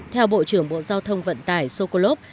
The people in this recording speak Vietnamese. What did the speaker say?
theo bộ trưởng bộ giao thông vận tải sokolov